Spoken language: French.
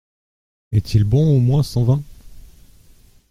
Est-il bon, au moins, son vin ?